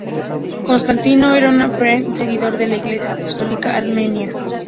Constantino era un ferviente seguidor de la Iglesia apostólica armenia.